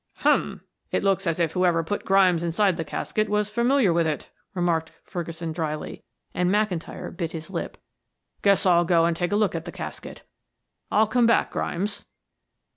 "Hum! It looks as if whoever put Grimes inside the casket was familiar with it," remarked Ferguson dryly, and McIntyre bit his lip. "Guess I'll go and take a look at the casket. I'll come back, Grimes."